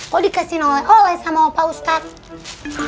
kok dikasihin oleh oleh sama pak ustadz